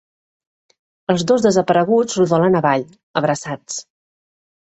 Els dos desapareguts rodolen avall, abraçats.